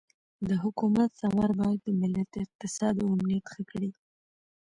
د حکومت ثمر باید د ملت اقتصاد او امنیت ښه کړي.